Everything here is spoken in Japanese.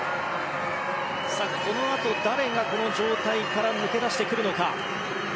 このあと誰がこの状態から抜け出してくるか。